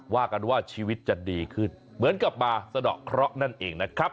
ว่ากันว่าชีวิตจะดีขึ้นเหมือนกับมาสะดอกเคราะห์นั่นเองนะครับ